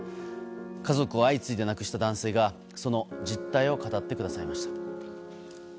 家族を相次いで亡くした男性がその実態を語ってくださいました。